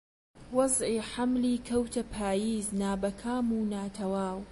وەزعی حەملی کەوتە پاییز نابەکام و ناتەواو